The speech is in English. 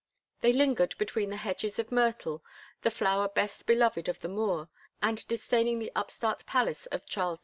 They lingered between the hedges of myrtle, the flower best beloved of the Moor, and disdaining the upstart palace of Charles V.